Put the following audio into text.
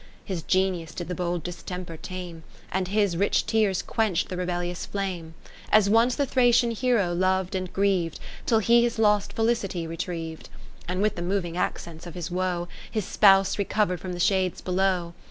His Genius did the bold distemper tame, And his rich tears quench'd the rebellious flame. As^ once the Thracian Hero lov'd and griev'd, Till he his lost felicity retriev'd ; And with the moving accents of his woe. His spouse recover'd from the shades below.